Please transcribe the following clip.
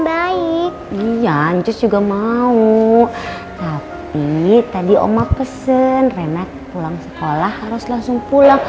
baik gian terus juga mau tapi tadi oma pesen remet pulang sekolah harus langsung pulang